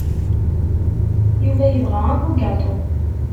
Yuba yebɣa abugaṭu.